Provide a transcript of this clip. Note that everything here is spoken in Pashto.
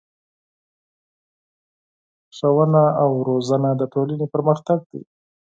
ښوونه او روزنه د ټولنې پرمختګ دی.